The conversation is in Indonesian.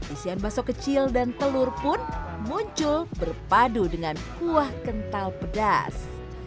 isian baso kecil dan telur pun muncul berpadu dengan kuah kental pedas